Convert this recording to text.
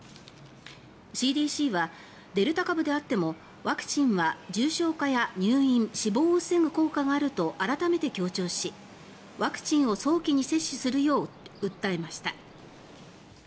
ＣＤＣはデルタ株であってもワクチンは重症化や入院、死亡を防ぐ効果があると改めて強調しワクチンを早期に接種するよう訴えました。